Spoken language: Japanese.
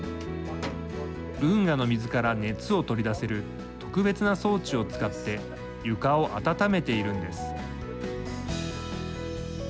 運河の水から熱を取り出せる特別な装置を使って床を温めているんです。